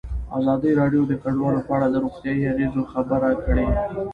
ازادي راډیو د کډوال په اړه د روغتیایي اغېزو خبره کړې.